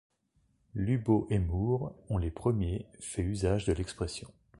Lubow et Moore ont les premiers fait usage de l'expression.